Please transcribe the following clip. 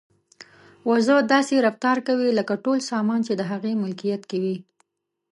وزه داسې رفتار کوي لکه ټول سامان چې د هغې ملکیت وي.